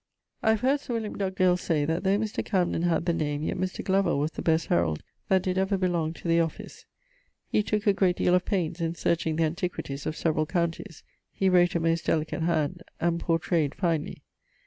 I have heard Sir Wm. Dugdale say, that though Mr. Camden had the name, yet Mr. Glover was the best herald that did ever belong to the office. He tooke a great deale of paines in searching the antiquities of severall counties. He wrote a most delicate hand, and pourtrayed finely.